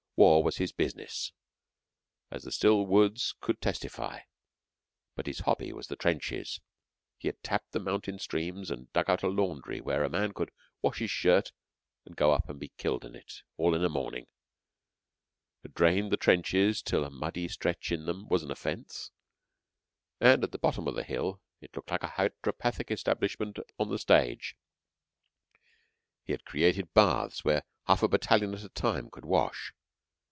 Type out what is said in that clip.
War was his business, as the still woods could testify but his hobby was his trenches. He had tapped the mountain streams and dug out a laundry where a man could wash his shirt and go up and be killed in it, all in a morning; had drained the trenches till a muddy stretch in them was an offence; and at the bottom of the hill (it looked like a hydropathic establishment on the stage) he had created baths where half a battalion at a time could wash.